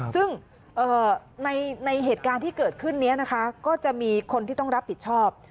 ซึ่งในเหตุการณ์ที่เกิดขึ้นนี้นะคะก็จะมีคนที่ต้องรับผิดชอบ